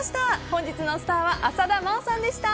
本日のスターは浅田真央さんでした。